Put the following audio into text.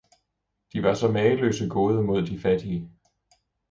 De var så mageløse gode mod de fattige!